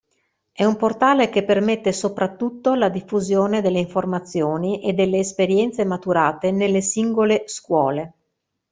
È un portale che permette soprattutto la diffusione delle informazioni e delle esperienze maturate nelle singole scuole.